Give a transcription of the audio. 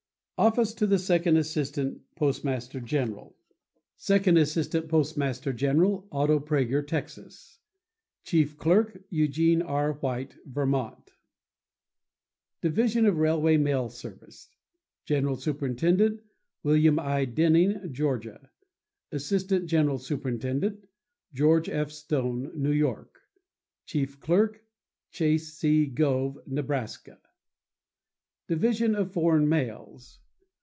OFFICE OF THE SECOND ASSISTANT POSTMASTER GENERAL Second Assistant Postmaster General.—Otto Praeger, Texas. Chief Clerk.—Eugene R. White, Vermont. Division of Railway Mail Service.— General Superintendent.—Wm. I. Denning, Georgia. Assistant General Superintendent.—George F. Stone, New York. Chief Clerk.—Chase C. Gove, Nebraska. Division of Foreign Mails.